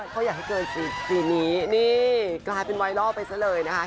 เขาอยากให้เกินปีนี้นี่กลายเป็นไวรัลไปซะเลยนะคะ